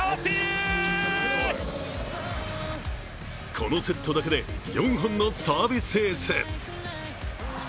このセットだけで、４本のサービスエース。